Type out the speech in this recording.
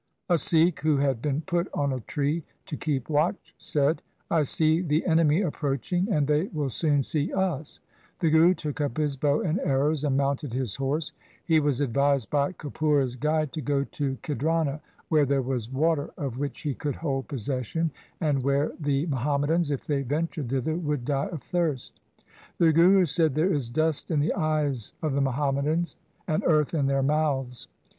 A Sikh who had been put on a tree to keep watch said, ' I see the enemy approaching, and they will soon see us.' The Guru took up his bow and arrows and mounted his horse. He was advised by Kapura's guide to go to Khidrana, where there was water of which he could hold possession, and where the Muhammadans, if they ventured thither, would die of thirst. The Guru said, ' There is dust in the eyes of the Muhammadans and earth in their mouths.